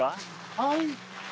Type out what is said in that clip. はい？